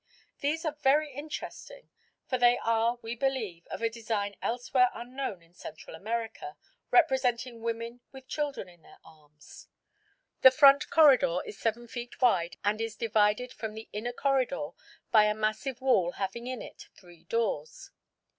These are very interesting, for they are, we believe, of a design elsewhere unknown in Central America representing women with children in their arms. The front corridor is 7 feet wide and is divided from the inner corridor by a massive wall having in it three doors.